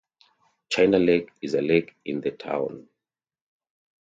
China Lake is a lake in the town.